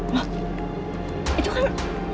mas itu kan